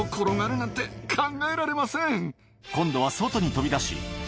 今度は外に飛び出しおりゃ！